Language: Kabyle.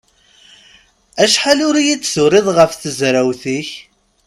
Acḥal ur iyi-d-turiḍ ɣef tezrawt-ik?